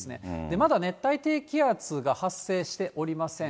まだ熱帯低気圧が発生しておりません。